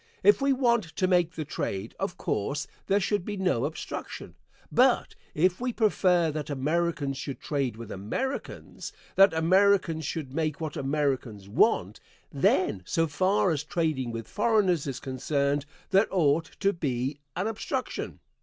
If we want to make the trade, of course there should be no obstruction, but if we prefer that Americans should trade with Americans that Americans should make what Americans want then, so far as trading with foreigners is concerned, there ought to be an obstruction.